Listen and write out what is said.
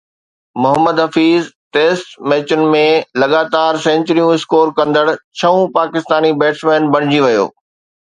Muhammad Hafeez test ميچن ۾ لڳاتار سينچريون اسڪور ڪندڙ ڇهون پاڪستاني بيٽسمين بڻجي ويو